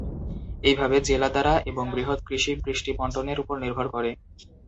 এইভাবে, জেলা দ্বারা এবং বৃহৎ কৃষি বৃষ্টি বণ্টনের উপর নির্ভর করে।